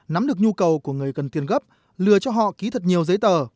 nắm được nhu cầu của người cần tiền gấp lừa cho họ ký thật nhiều giấy tờ